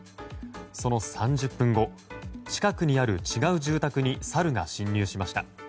その３０分後近くにある違う住宅にサルが侵入しました。